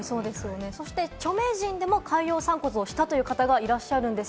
そして著名人でも海洋散骨をした方がいらっしゃいます。